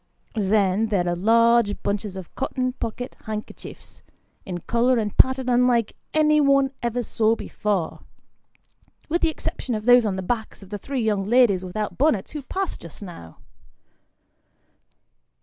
Then, there are large bunches of cotton pocket handkerchiefs, in colour and pattern unlike any, one ever saw before, with the exception of those on the backs of the three young ladies without bonnets who passed just now.